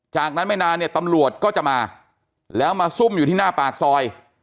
จากนั้นไม่นานเนี่ยตำรวจก็จะมาแล้วมาซุ่มอยู่ที่หน้าปากซอย